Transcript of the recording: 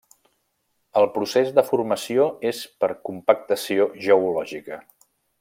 El procés de formació és per compactació geològica.